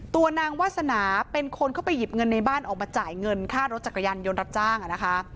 ตัวนางวาสนาเป็นคนเข้าไปหยิบเงินในบ้านออกมาจ่ายเงินค่ารถจักรยานยนต์รับจ้างนะคะ